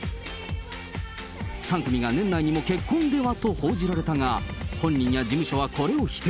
３組が年内にも結婚では？と報じられたが、本人や事務所はこれを否定。